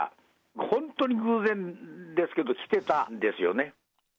本当に偶然ですけど、来てたんですよね。